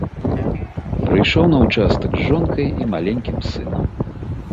Прыйшоў на ўчастак з жонкай і маленькім сынам.